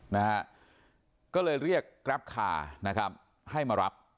นะฮะก็เลยเรียกแกรปคาร์นะครับให้มารับ